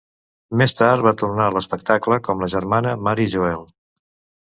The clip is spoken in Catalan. Més tard va tornar a l'espectacle com la germana Mary Joel.